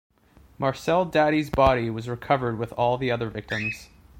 Marcel Dadi's body was recovered with all the other victims.